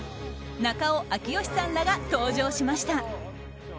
中尾明慶さんらが登場しました。